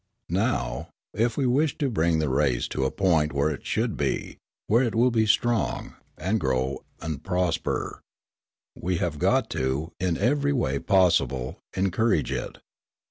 Now, if we wish to bring the race to a point where it should be, where it will be strong, and grow and prosper, we have got to, in every way possible, encourage it.